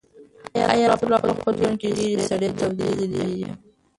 حیات الله په خپل ژوند کې ډېرې سړې تودې لیدلې دي.